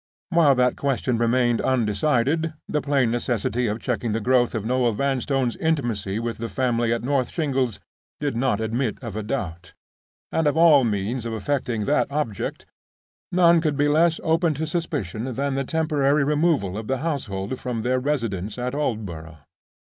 While that question remained undecided, the plain necessity of checking the growth of Noel Vanstone's intimacy with the family at North Shingles did not admit of a doubt; and of all means of effecting that object, none could be less open to suspicion than the temporary removal of the household from their residence at Aldborough.